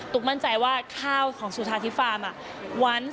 ตุ๊กมั่นใจว่าข้าวของซูทาทิฟาร์ม